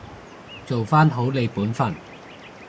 做返好你本分